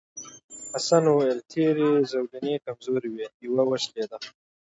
حسن وویل تېرې زولنې کمزورې وې یوه وشکېده.